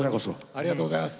ありがとうございます。